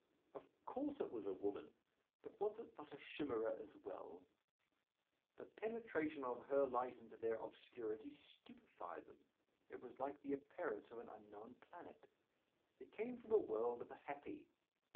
Of course it was a woman, but was it not a chimera as well? The penetration of her light into their obscurity stupefied them. It was like the appearance of an unknown planet. It came from a world of the happy.